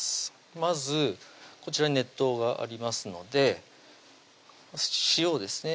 まずこちらに熱湯がありますので塩ですね